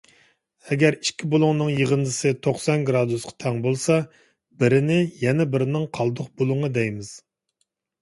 ئەگەر ئىككى بۇلۇڭنىڭ يىغىندىسى توقسان گىرادۇسقا تەڭ بولسا، بىرىنى يەنە بىرىنىڭ قالدۇق بۇلۇڭى دەيمىز.